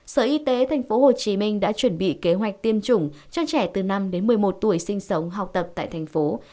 sở y tế tp hcm đã chuẩn bị kế hoạch tiêm chủng cho trẻ từ năm một mươi một tuổi sinh sống học tập tại tp hcm